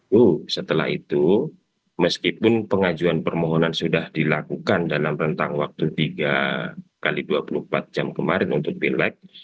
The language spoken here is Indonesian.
wuh setelah itu meskipun pengajuan permohonan sudah dilakukan dalam rentang waktu tiga x dua puluh empat jam kemarin untuk pilek